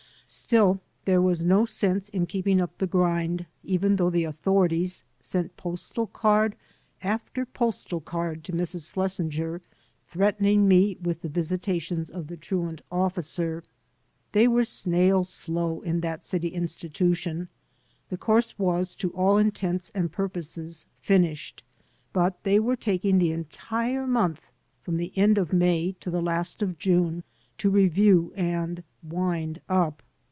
Still, there was no sense in keeping up the grind, even though the authorities sent postal card after postal card to Mrs. Schlesinger, threatening me with the visitations of the truant officer. They were snail slow in that city institution. The course was, to all intents and purposes, finished; but they were taking the entire month from the end of May to the last of June to review and "wind up."